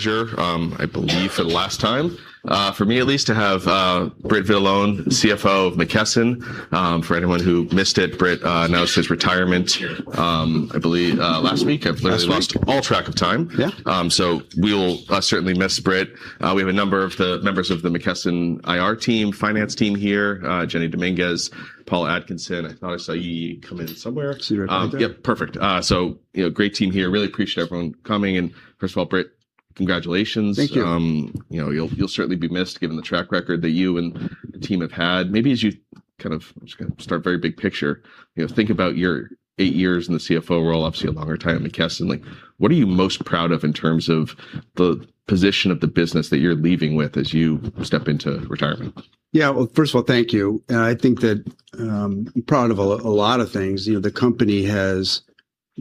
Sure. I believe for the last time, for me at least, to have Britt Vitalone, CFO of McKesson. For anyone who missed it, Britt announced his retirement, I believe, last week. Last week. I've literally lost all track of time. Yeah. We will certainly miss Britt. We have a number of the members of the McKesson IR team, finance team here, Jeni Dominguez, Paul Atkinson. I thought I saw you come in somewhere. See right there. Yep, perfect. You know, great team here. Really appreciate everyone coming. First of all, Britt, congratulations. Thank you. You know, you'll certainly be missed given the track record that you and the team have had. Maybe as you kind of, I'm just gonna start very big picture, you know, think about your eight years in the CFO role, obviously a longer time at McKesson. Like, what are you most proud of in terms of the position of the business that you're leaving with as you step into retirement? Yeah. Well, first of all, thank you. I think that, I'm proud of a lot of things. You know, the company has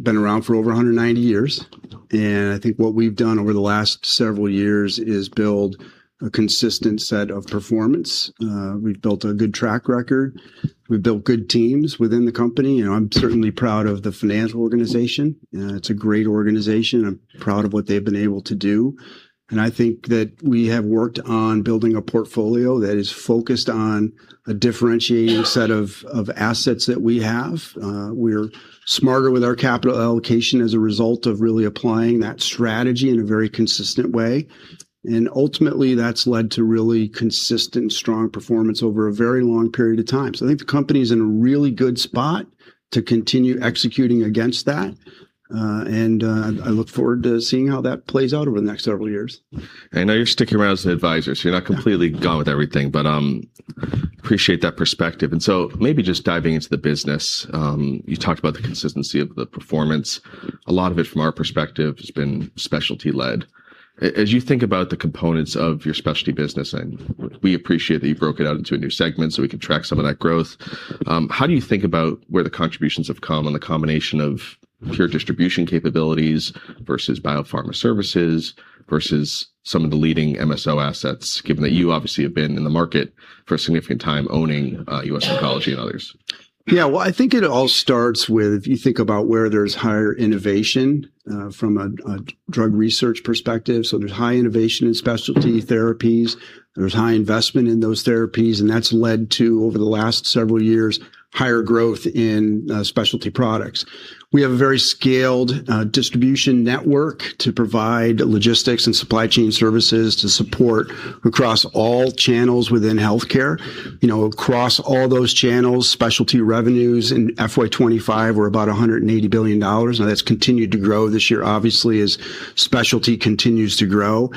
been around for over 190 years, and I think what we've done over the last several years is build a consistent set of performance. We've built a good track record. We've built good teams within the company, and I'm certainly proud of the financial organization. It's a great organization. I'm proud of what they've been able to do. I think that we have worked on building a portfolio that is focused on a differentiating set of assets that we have. We're smarter with our capital allocation as a result of really applying that strategy in a very consistent way. Ultimately, that's led to really consistent, strong performance over a very long period of time. I think the company's in a really good spot to continue executing against that, and I look forward to seeing how that plays out over the next several years. I know you're sticking around as an advisor, so you're not completely gone with everything, but appreciate that perspective. Maybe just diving into the business, you talked about the consistency of the performance. A lot of it from our perspective has been specialty led. As you think about the components of your specialty business, and we appreciate that you broke it out into a new segment, so we can track some of that growth, how do you think about where the contributions have come and the combination of pure distribution capabilities versus biopharma services versus some of the leading MSO assets, given that you obviously have been in the market for a significant time owning US Oncology and others? Yeah. Well, I think it all starts with if you think about where there's higher innovation from a drug research perspective, so there's high innovation in specialty therapies, there's high investment in those therapies, and that's led to, over the last several years, higher growth in specialty products. We have a very scaled distribution network to provide logistics and supply chain services to support across all channels within healthcare. You know, across all those channels, specialty revenues in FY 2025 were about $180 billion. Now that's continued to grow this year, obviously, as specialty continues to grow.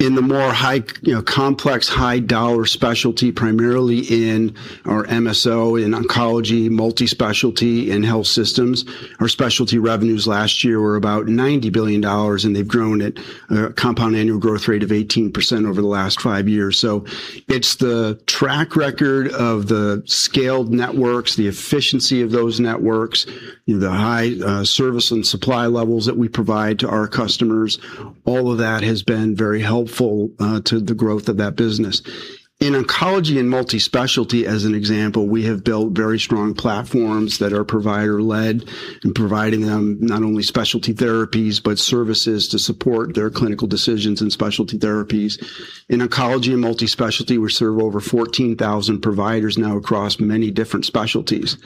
In the more high, you know, complex high-dollar specialty, primarily in our MSO, in oncology, multi-specialty, and health systems, our specialty revenues last year were about $90 billion, and they've grown at a compound annual growth rate of 18% over the last five years. It's the track record of the scaled networks, the efficiency of those networks, the high, service and supply levels that we provide to our customers. All of that has been very helpful, to the growth of that business. In oncology and multi-specialty, as an example, we have built very strong platforms that are provider-led and providing them not only specialty therapies, but services to support their clinical decisions and specialty therapies. In oncology and multi-specialty, we serve over 14,000 providers now across many different specialties.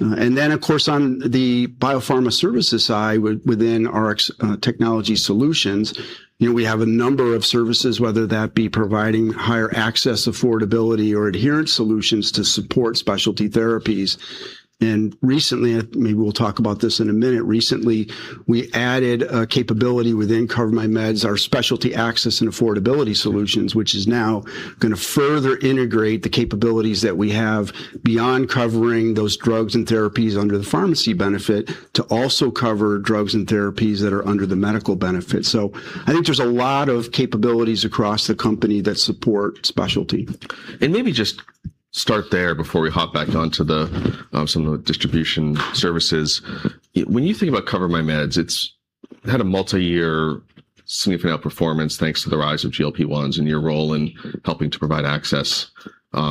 Of course, on the biopharma services side within our technology solutions, you know, we have a number of services, whether that be providing higher access, affordability or adherence solutions to support specialty therapies. Recently, maybe we'll talk about this in a minute. Recently, we added a capability within CoverMyMeds, our specialty access and affordability solutions, which is now gonna further integrate the capabilities that we have beyond covering those drugs and therapies under the pharmacy benefit to also cover drugs and therapies that are under the medical benefit. I think there's a lot of capabilities across the company that support specialty. Maybe just start there before we hop back onto the, some of the distribution services. When you think about CoverMyMeds, it's had a multi-year significant outperformance thanks to the rise of GLP-1s and your role in helping to provide access,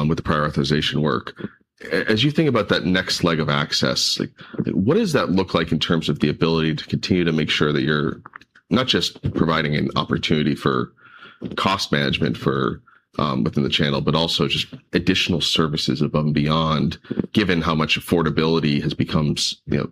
with the prior authorization work. As you think about that next leg of access, like what does that look like in terms of the ability to continue to make sure that you're not just providing an opportunity for cost management for, within the channel, but also just additional services above and beyond, given how much affordability has become, you know,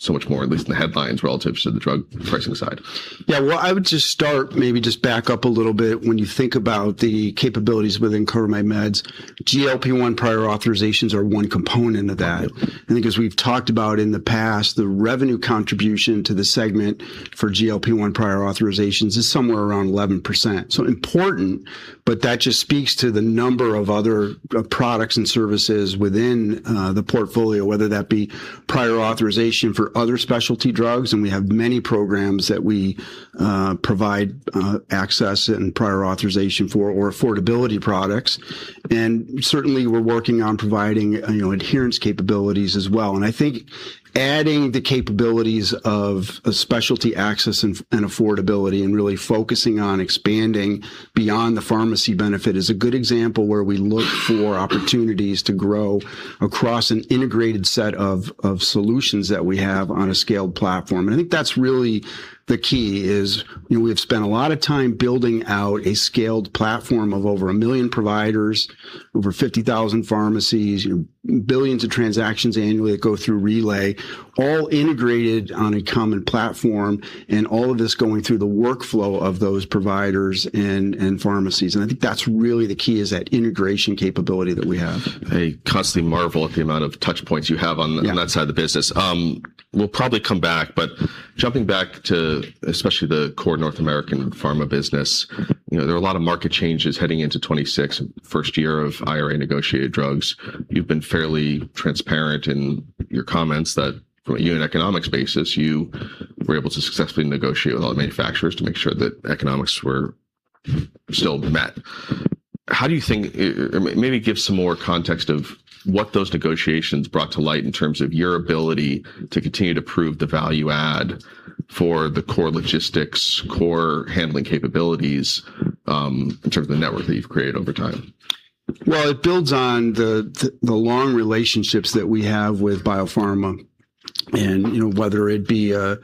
so much more, at least in the headlines, relative to the drug pricing side? Yeah. Well, I would just start, maybe just back up a little bit when you think about the capabilities within CoverMyMeds. GLP-1 prior authorizations are one component of that. Okay. I think as we've talked about in the past, the revenue contribution to the segment for GLP-1 prior authorizations is somewhere around 11%. Important, but that just speaks to the number of other products and services within the portfolio, whether that be prior authorization for other specialty drugs, and we have many programs that we provide access and prior authorization for, or affordability products. Certainly, we're working on providing, you know, adherence capabilities as well. I think adding the capabilities of a specialty access and affordability and really focusing on expanding beyond the pharmacy benefit is a good example where we look for opportunities to grow across an integrated set of solutions that we have on a scaled platform. I think that's really the key is, you know, we've spent a lot of time building out a scaled platform of over a million providers, over 50,000 pharmacies, billions of transactions annually that go through Relay, all integrated on a common platform, and all of this going through the workflow of those providers and pharmacies. I think that's really the key is that integration capability that we have. I constantly marvel at the amount of touch points you have on. Yeah... on that side of the business. We'll probably come back, but jumping back to especially the core North American pharma business, you know, there are a lot of market changes heading into 2026, first year of IRA negotiated drugs. You've been fairly transparent in your comments that from a unit economic basis, you were able to successfully negotiate with a lot of manufacturers to make sure that economics were. So Britt, how do you think maybe give some more context of what those negotiations brought to light in terms of your ability to continue to prove the value add for the core logistics, core handling capabilities, in terms of the network that you've created over time. Well, it builds on the long relationships that we have with biopharma. You know, whether it be a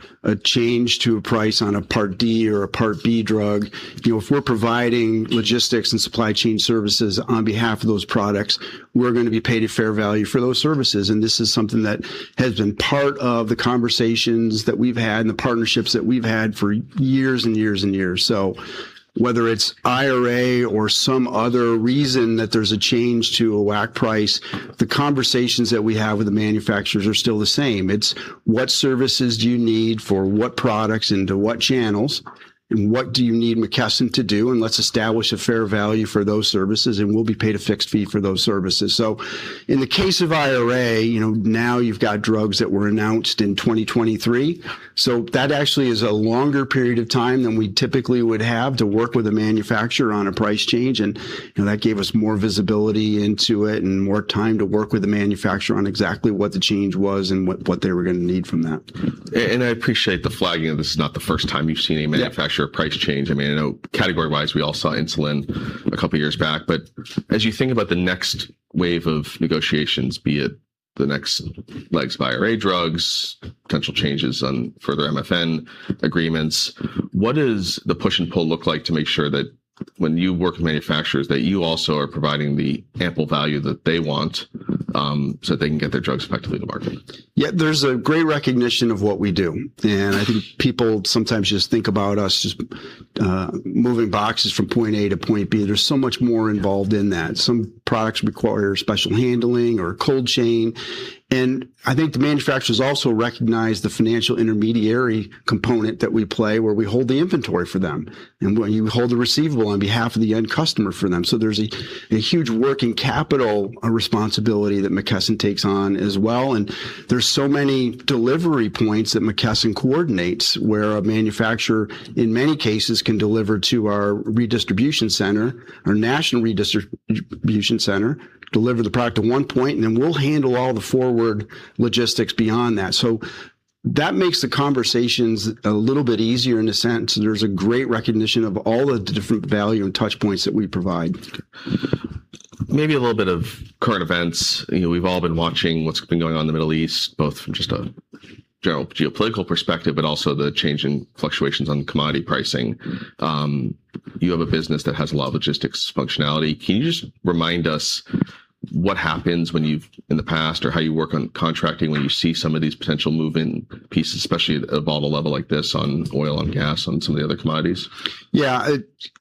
change to a price on a Part D or a Part B drug, you know, if we're providing logistics and supply chain services on behalf of those products, we're gonna be paid a fair value for those services. This is something that has been part of the conversations that we've had and the partnerships that we've had for years and years and years. Whether it's IRA or some other reason that there's a change to a WAC price, the conversations that we have with the manufacturers are still the same. It's what services do you need for what products into what channels, and what do you need McKesson to do, and let's establish a fair value for those services, and we'll be paid a fixed fee for those services. In the case of IRA, you know, now you've got drugs that were announced in 2023. That actually is a longer period of time than we typically would have to work with a manufacturer on a price change. That gave us more visibility into it and more time to work with the manufacturer on exactly what the change was and what they were gonna need from that. I appreciate the flagging. This is not the first time you've seen a manufacturer price change. Yeah. I mean, I know category-wise, we all saw insulin a couple of years back. As you think about the next wave of negotiations, be it the next leg's IRA drugs, potential changes on further MFN agreements, what does the push and pull look like to make sure that when you work with manufacturers, that you also are providing the ample value that they want, so they can get their drugs effectively to market? Yeah. There's a great recognition of what we do. I think people sometimes just think about us just moving boxes from point A to point B. There's so much more involved in that. Some products require special handling or cold chain. I think the manufacturers also recognize the financial intermediary component that we play, where we hold the inventory for them and when you hold the receivable on behalf of the end customer for them. There's a huge working capital responsibility that McKesson takes on as well. There's so many delivery points that McKesson coordinates, where a manufacturer, in many cases, can deliver to our redistribution center, our national redistribution center, deliver the product to one point, and then we'll handle all the forward logistics beyond that. That makes the conversations a little bit easier in a sense. There's a great recognition of all the different value and touch points that we provide. Maybe a little bit of current events. You know, we've all been watching what's been going on in the Middle East, both from just a general geopolitical perspective, but also the change in fluctuations on commodity pricing. You have a business that has a lot of logistics functionality. Can you just remind us what happens in the past or how you work on contracting when you see some of these potential moving pieces, especially at a volatile level like this on oil and gas, on some of the other commodities? Yeah.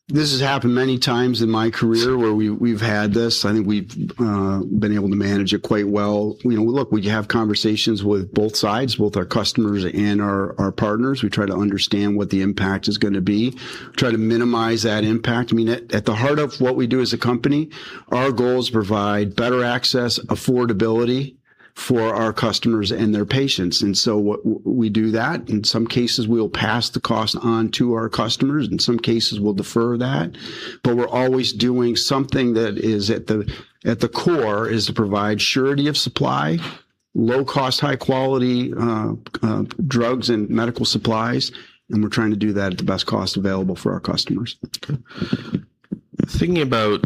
This has happened many times in my career where we've had this. I think we've been able to manage it quite well. You know, look, we have conversations with both sides, both our customers and our partners. We try to understand what the impact is gonna be, try to minimize that impact. I mean, at the heart of what we do as a company, our goal is to provide better access, affordability for our customers and their patients. We do that. In some cases, we'll pass the cost on to our customers. In some cases, we'll defer that. We're always doing something that is at the core is to provide surety of supply, low cost, high quality, drugs and medical supplies, and we're trying to do that at the best cost available for our customers. Thinking about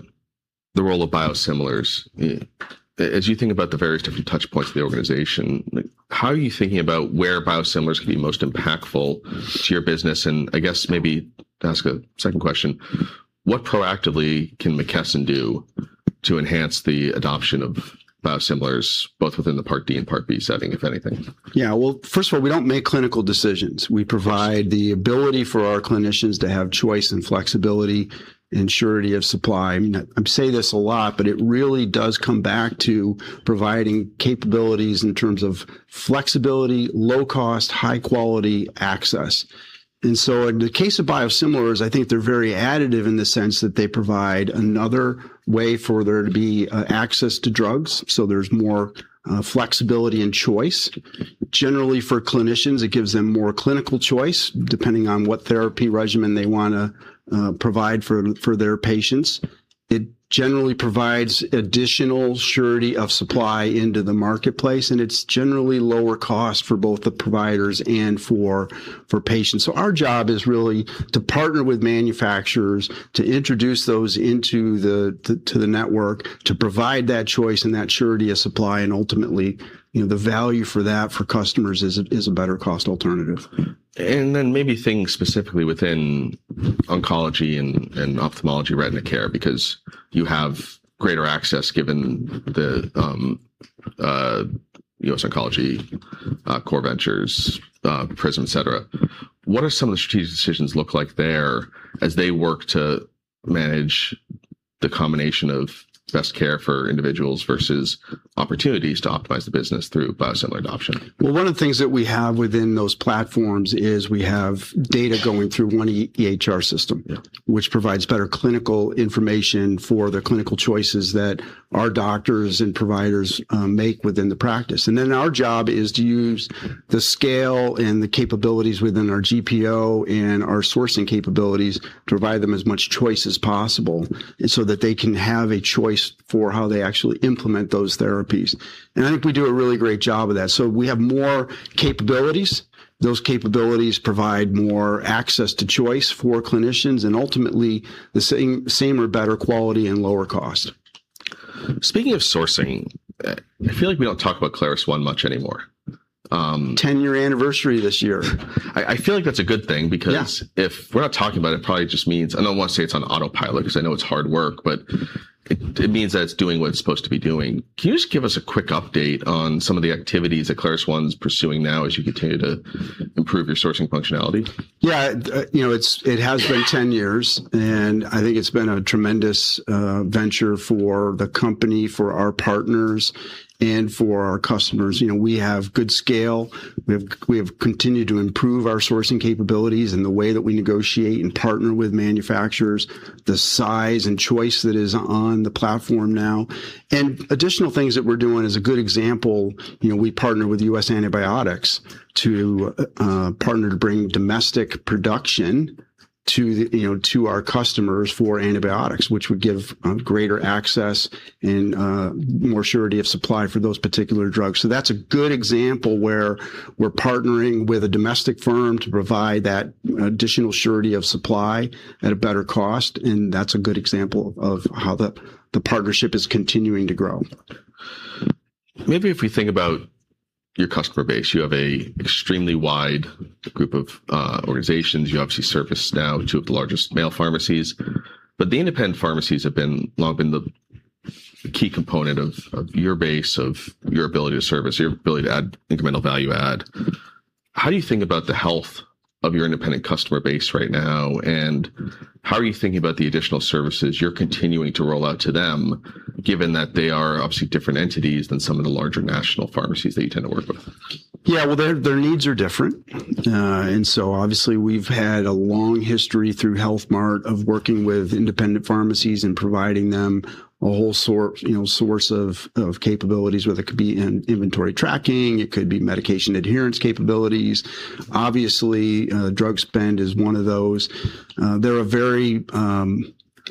the role of biosimilars, as you think about the various different touch points of the organization, like how are you thinking about where biosimilars can be most impactful to your business? I guess maybe to ask a second question, what proactively can McKesson do to enhance the adoption of biosimilars, both within the Part D and Part B setting, if anything? Yeah. Well, first of all, we don't make clinical decisions. We provide the ability for our clinicians to have choice and flexibility and surety of supply. I mean, I say this a lot, but it really does come back to providing capabilities in terms of flexibility, low cost, high quality access. In the case of biosimilars, I think they're very additive in the sense that they provide another way for there to be access to drugs, so there's more flexibility and choice. Generally, for clinicians, it gives them more clinical choice, depending on what therapy regimen they wanna provide for their patients. It generally provides additional surety of supply into the marketplace, and it's generally lower cost for both the providers and for patients. Our job is really to partner with manufacturers to introduce those into the network to provide that choice and that surety of supply. Ultimately, you know, the value for that for customers is a better cost alternative. Maybe think specifically within oncology and ophthalmology retina care because you have greater access given the US Oncology, Core Ventures, PRISM, et cetera. What are some of the strategic decisions look like there as they work to manage the combination of best care for individuals versus opportunities to optimize the business through biosimilar adoption? Well, one of the things that we have within those platforms is we have data going through one EHR system. Yeah which provides better clinical information for the clinical choices that our doctors and providers make within the practice. Then our job is to use the scale and the capabilities within our GPO and our sourcing capabilities to provide them as much choice as possible so that they can have a choice for how they actually implement those therapies. I think we do a really great job of that. We have more capabilities. Those capabilities provide more access to choice for clinicians and ultimately the same or better quality and lower cost. Speaking of sourcing, I feel like we don't talk about ClarusONE much anymore. 10-year anniversary this year. I feel like that's a good thing because. Yeah If we're not talking about it probably just means, I don't want to say it's on autopilot because I know it's hard work, but it means that it's doing what it's supposed to be doing. Can you just give us a quick update on some of the activities that ClarusONE's pursuing now as you continue to improve your sourcing functionality? Yeah. You know, it has been 10 years, and I think it's been a tremendous venture for the company, for our partners, and for our customers. You know, we have good scale. We have continued to improve our sourcing capabilities and the way that we negotiate and partner with manufacturers, the size and choice that is on the platform now. Additional things that we're doing, as a good example, you know, we partner with USAntibiotics to partner to bring domestic production to our customers for antibiotics, which would give greater access and more surety of supply for those particular drugs. That's a good example where we're partnering with a domestic firm to provide that additional surety of supply at a better cost, and that's a good example of how the partnership is continuing to grow. Maybe if we think about your customer base, you have an extremely wide group of organizations. You obviously service now two of the largest mail pharmacies. The independent pharmacies have long been the key component of your base, of your ability to service, your ability to add incremental value add. How do you think about the health of your independent customer base right now, and how are you thinking about the additional services you're continuing to roll out to them, given that they are obviously different entities than some of the larger national pharmacies that you tend to work with? Well, their needs are different. Obviously we've had a long history through Health Mart of working with independent pharmacies and providing them a whole source, you know, of capabilities, whether it could be in inventory tracking, it could be medication adherence capabilities. Obviously, drug spend is one of those.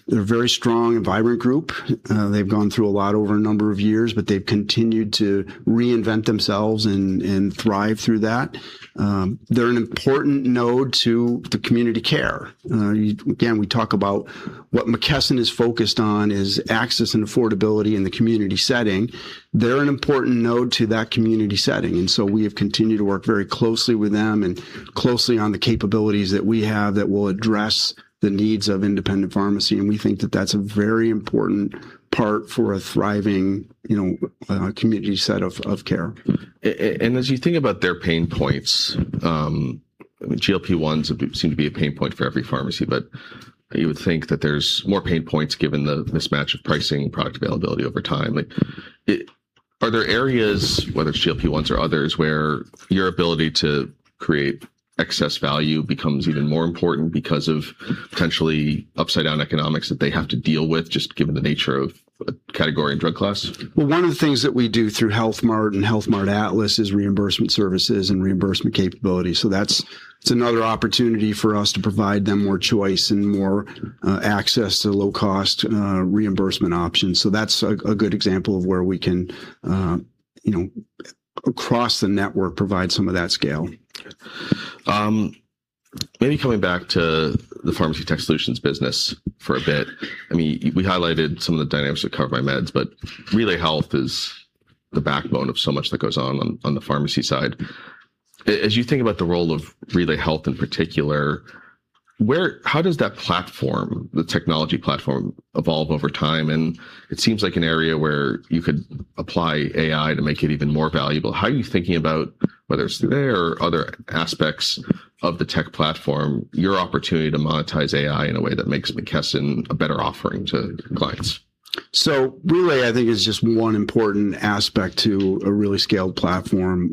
They're a very strong and vibrant group. They've gone through a lot over a number of years, but they've continued to reinvent themselves and thrive through that. They're an important node to the community care. Again, we talk about what McKesson is focused on is access and affordability in the community setting. They're an important node to that community setting, and so we have continued to work very closely with them and closely on the capabilities that we have that will address the needs of independent pharmacy, and we think that that's a very important part for a thriving, you know, community set of care. As you think about their pain points, I mean, GLP-1s seem to be a pain point for every pharmacy, but you would think that there's more pain points given the mismatch of pricing and product availability over time. Are there areas, whether it's GLP-1s or others, where your ability to create excess value becomes even more important because of potentially upside-down economics that they have to deal with just given the nature of a category and drug class? Well, one of the things that we do through Health Mart and Health Mart Atlas is reimbursement services and reimbursement capabilities. So that's, it's another opportunity for us to provide them more choice and more access to low-cost reimbursement options. So that's a good example of where we can you know, across the network, provide some of that scale. Maybe coming back to the pharmacy tech solutions business for a bit. I mean, we highlighted some of the dynamics of CoverMyMeds, but RelayHealth is the backbone of so much that goes on the pharmacy side. As you think about the role of RelayHealth in particular, how does that platform, the technology platform evolve over time? It seems like an area where you could apply AI to make it even more valuable. How are you thinking about, whether it's through there or other aspects of the tech platform, your opportunity to monetize AI in a way that makes McKesson a better offering to clients? RelayHealth, I think is just one important aspect to a really scaled platform.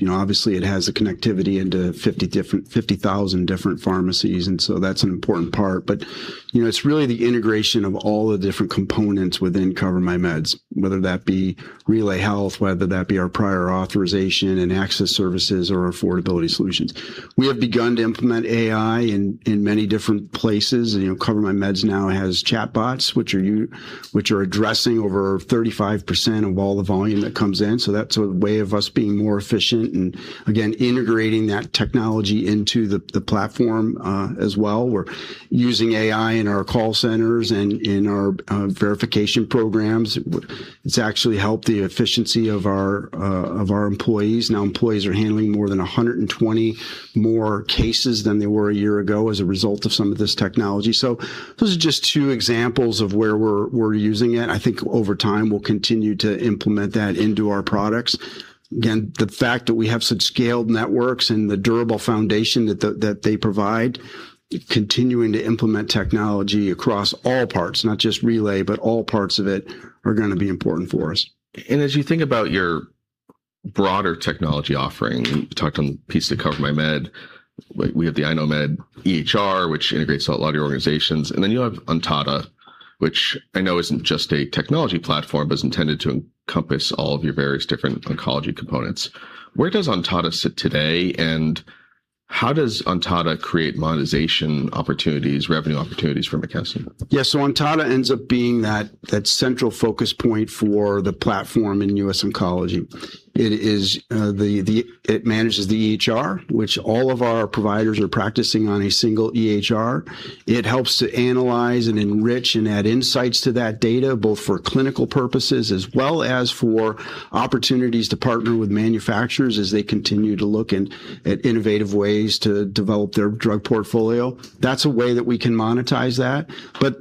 You know, obviously it has the connectivity into 50,000 different pharmacies, and that's an important part. You know, it's really the integration of all the different components within CoverMyMeds, whether that be RelayHealth, whether that be our prior authorization and access services or affordability solutions. We have begun to implement AI in many different places. You know, CoverMyMeds now has chatbots, which are addressing over 35% of all the volume that comes in. That's a way of us being more efficient and again, integrating that technology into the platform as well. We're using AI in our call centers and in our verification programs. It's actually helped the efficiency of our employees. Employees are handling more than 120 more cases than they were a year ago as a result of some of this technology. Those are just two examples of where we're using it. I think over time, we'll continue to implement that into our products. Again, the fact that we have such scaled networks and the durable foundation that they provide, continuing to implement technology across all parts, not just Relay, but all parts of it, are gonna be important for us. As you think about your broader technology offering, we talked on the piece of CoverMyMeds, we have the iKnowMed EHR, which integrates a lot of your organizations, and then you have Ontada, which I know isn't just a technology platform, but it's intended to encompass all of your various different oncology components. Where does Ontada sit today, and how does Ontada create monetization opportunities, revenue opportunities for McKesson? Yeah. Ontada ends up being that central focus point for the platform in US Oncology. It is. It manages the EHR, which all of our providers are practicing on a single EHR. It helps to analyze and enrich and add insights to that data, both for clinical purposes as well as for opportunities to partner with manufacturers as they continue to look in at innovative ways to develop their drug portfolio. That's a way that we can monetize that.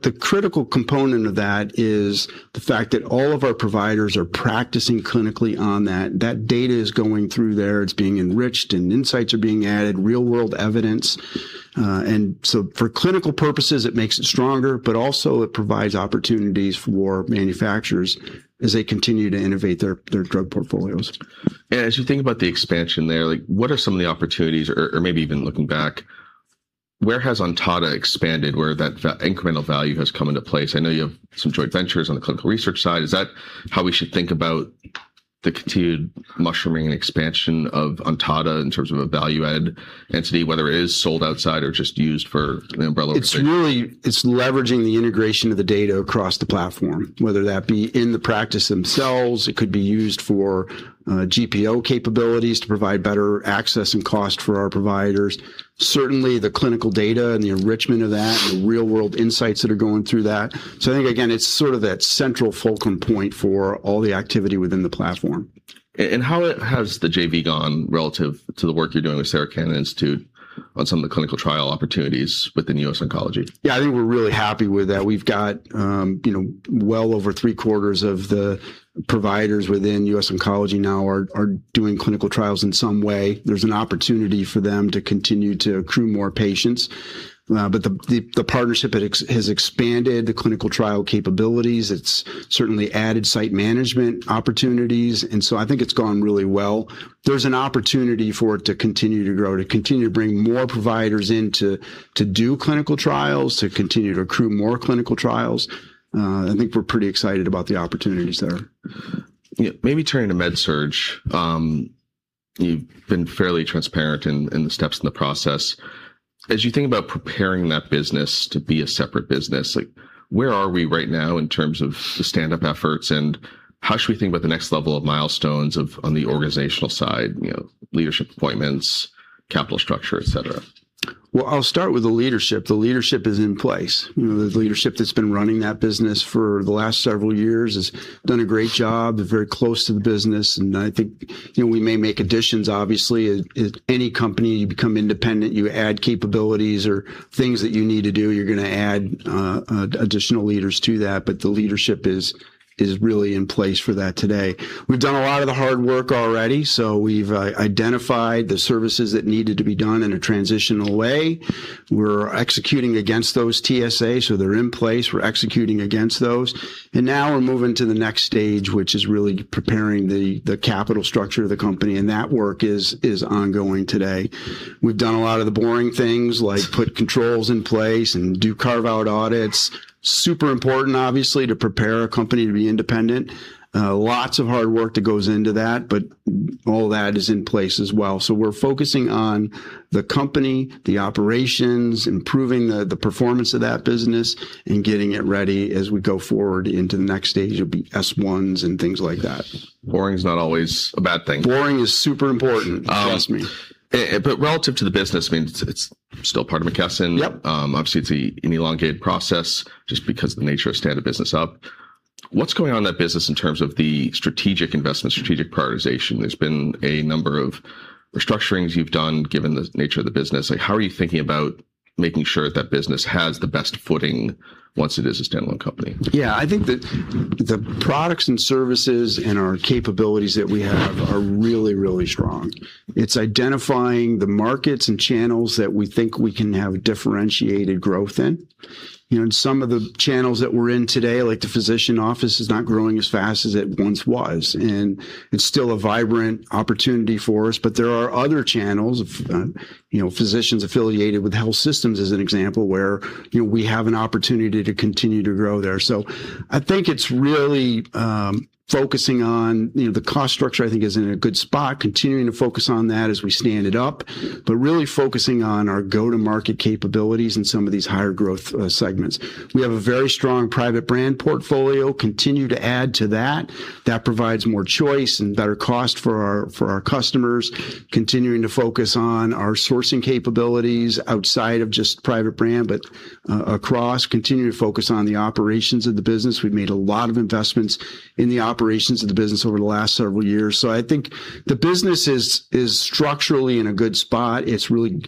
The critical component of that is the fact that all of our providers are practicing clinically on that. That data is going through there. It's being enriched, and insights are being added, real-world evidence. For clinical purposes, it makes it stronger, but also it provides opportunities for manufacturers as they continue to innovate their drug portfolios. As you think about the expansion there, like what are some of the opportunities or maybe even looking back, where has Ontada expanded where that incremental value has come into place? I know you have some joint ventures on the clinical research side. Is that how we should think about the continued mushrooming and expansion of Ontada in terms of a value add entity, whether it is sold outside or just used for an umbrella effect? It's really, it's leveraging the integration of the data across the platform, whether that be in the practice themselves, it could be used for GPO capabilities to provide better access and cost for our providers. Certainly, the clinical data and the enrichment of that and the real-world insights that are going through that. I think again, it's sort of that central fulcrum point for all the activity within the platform. How has the JV gone relative to the work you're doing with Sarah Cannon Research Institute on some of the clinical trial opportunities within US Oncology? Yeah, I think we're really happy with that. We've got, you know, well over 3/4 of the providers within US Oncology now are doing clinical trials in some way. There's an opportunity for them to continue to accrue more patients. The partnership has expanded the clinical trial capabilities. It's certainly added site management opportunities, and so I think it's gone really well. There's an opportunity for it to continue to grow, to continue to bring more providers in to do clinical trials, to continue to accrue more clinical trials. I think we're pretty excited about the opportunities there. Yeah. Maybe turning to MedSurg. You've been fairly transparent in the steps in the process. As you think about preparing that business to be a separate business, like where are we right now in terms of the standup efforts, and how should we think about the next level of milestones on the organizational side, you know, leadership appointments, capital structure, et cetera? Well, I'll start with the leadership. The leadership is in place. You know, the leadership that's been running that business for the last several years has done a great job. They're very close to the business, and I think, you know, we may make additions. Obviously, any company, you become independent, you add capabilities or things that you need to do, you're gonna add additional leaders to that, but the leadership is really in place for that today. We've done a lot of the hard work already, so we've identified the services that needed to be done in a transitional way. We're executing against those TSAs, so they're in place. We're executing against those. Now we're moving to the next stage, which is really preparing the capital structure of the company, and that work is ongoing today. We've done a lot of the boring things like put controls in place and do carve-out audits. Super important, obviously, to prepare a company to be independent. Lots of hard work that goes into that, but all that is in place as well. We're focusing on the company, the operations, improving the performance of that business and getting it ready as we go forward into the next stage. It'll be S-1s and things like that. Boring is not always a bad thing. Boring is super important. Um- Trust me. Relative to the business, I mean, it's still part of McKesson. Yep. Obviously it's an elongated process just because of the nature of standing a business up. What's going on in that business in terms of the strategic investment, strategic prioritization? There's been a number of restructurings you've done given the nature of the business. Like, how are you thinking about making sure that business has the best footing once it is a standalone company? Yeah. I think that the products and services and our capabilities that we have are really, really strong. It's identifying the markets and channels that we think we can have differentiated growth in. You know, and some of the channels that we're in today, like the physician office, is not growing as fast as it once was. It's still a vibrant opportunity for us, but there are other channels of, you know, physicians affiliated with health systems as an example, where, you know, we have an opportunity to continue to grow there. I think it's really, focusing on, you know, the cost structure I think is in a good spot, continuing to focus on that as we stand it up. Really focusing on our go-to-market capabilities in some of these higher growth, segments. We have a very strong private brand portfolio, continue to add to that. That provides more choice and better cost for our customers. Continuing to focus on our sourcing capabilities outside of just private brand, but across, continue to focus on the operations of the business. We've made a lot of investments in the operations of the business over the last several years. I think the business is structurally in a good spot. It's really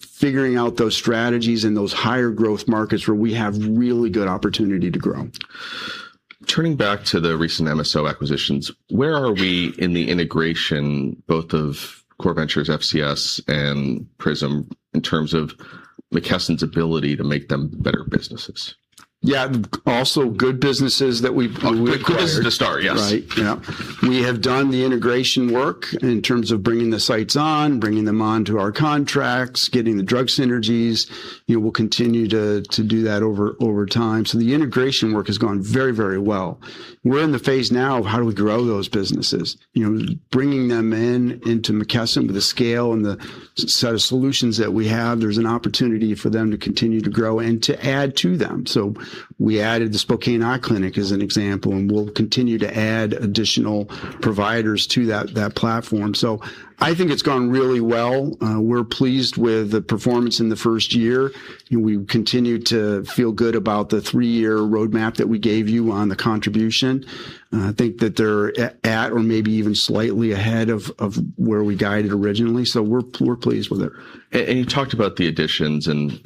figuring out those strategies and those higher growth markets where we have really good opportunity to grow. Turning back to the recent MSO acquisitions, where are we in the integration, both of Core Ventures, FCS, and PRISM, in terms of McKesson's ability to make them better businesses? Yeah. Also good businesses that we've acquired. Good businesses to start, yes. Right. Yeah. We have done the integration work in terms of bringing the sites on, bringing them onto our contracts, getting the drug synergies. You know, we'll continue to do that over time. The integration work has gone very well. We're in the phase now of how do we grow those businesses. You know, bringing them into McKesson with the scale and the set of solutions that we have, there's an opportunity for them to continue to grow and to add to them. We added the Spokane Eye Clinic, as an example, and we'll continue to add additional providers to that platform. I think it's gone really well. We're pleased with the performance in the first year, and we continue to feel good about the three-year roadmap that we gave you on the contribution. I think that they're at or maybe even slightly ahead of where we guided originally. We're pleased with it. You talked about the additions, and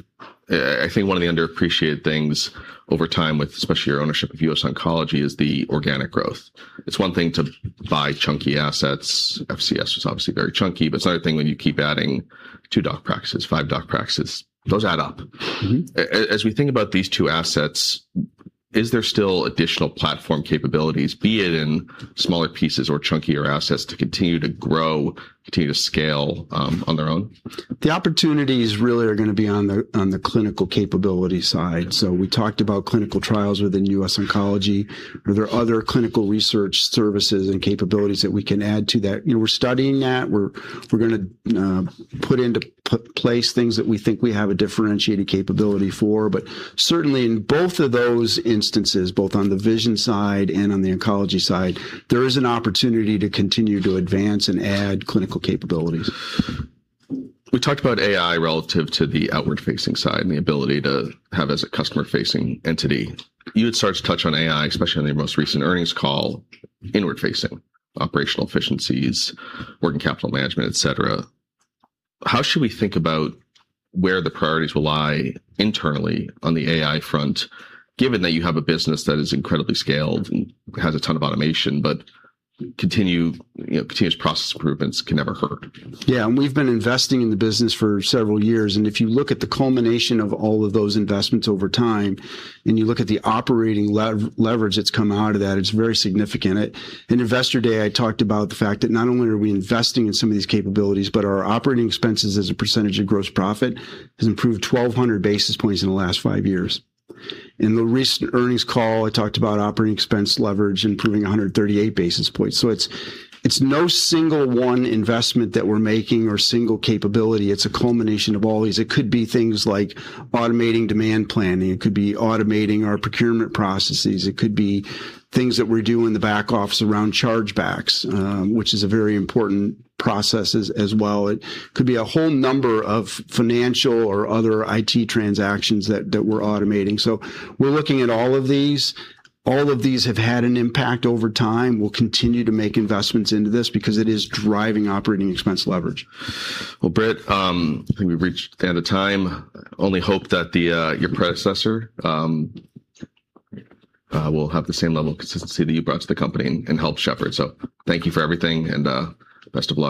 I think one of the underappreciated things over time with especially your ownership of US Oncology is the organic growth. It's one thing to buy chunky assets. FCS was obviously very chunky. It's another thing when you keep adding two doc practices, five doc practices. Those add up. Mm-hmm. As we think about these two assets, is there still additional platform capabilities, be it in smaller pieces or chunkier assets, to continue to grow, continue to scale, on their own? The opportunities really are gonna be on the clinical capability side. We talked about clinical trials within US Oncology. Are there other clinical research services and capabilities that we can add to that? You know, we're studying that. We're gonna put into place things that we think we have a differentiated capability for. Certainly in both of those instances, both on the vision side and on the oncology side, there is an opportunity to continue to advance and add clinical capabilities. We talked about AI relative to the outward-facing side and the ability to have as a customer-facing entity. You had started to touch on AI, especially on your most recent earnings call, inward facing, operational efficiencies, working capital management, et cetera. How should we think about where the priorities will lie internally on the AI front, given that you have a business that is incredibly scaled and has a ton of automation, but, you know, continuous process improvements can never hurt? Yeah. We've been investing in the business for several years, and if you look at the culmination of all of those investments over time, and you look at the operating leverage that's come out of that, it's very significant. At Investor Day, I talked about the fact that not only are we investing in some of these capabilities, but our operating expenses as a percentage of gross profit has improved 1,200 basis points in the last five years. In the recent earnings call, I talked about operating expense leverage improving 138 basis points. It's no single one investment that we're making or single capability. It's a culmination of all these. It could be things like automating demand planning. It could be automating our procurement processes. It could be things that we do in the back office around chargebacks, which is a very important process as well. It could be a whole number of financial or other IT transactions that we're automating. We're looking at all of these. All of these have had an impact over time. We'll continue to make investments into this because it is driving operating expense leverage. Well, Britt, I think we've reached the end of time. Only hope that your predecessor will have the same level of consistency that you brought to the company and help shepherd. Thank you for everything and best of luck.